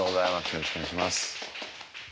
よろしくお願いします。